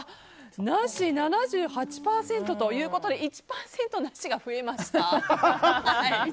なしが７８％ということで１％、なしが増えました。